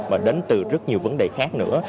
mà đến từ rất nhiều vấn đề khác nữa